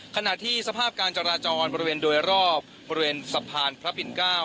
ขณะที่สภาพการจราจรบริเวณโดยรอบบริเวณสะพานพระปิ่น๙